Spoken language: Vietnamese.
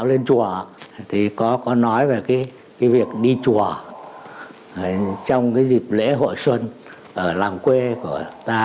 lên chùa thì có nói về cái việc đi chùa trong cái dịp lễ hội xuân ở làng quê của ta